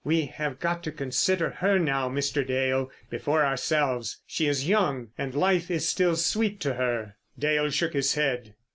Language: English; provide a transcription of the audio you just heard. We have got to consider her now, Mr. Dale, before ourselves. She is young, and life is still sweet to her." Dale shook his head.